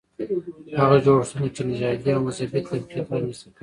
هغه جوړښتونه چې نژادي او مذهبي تفکیک رامنځته کوي.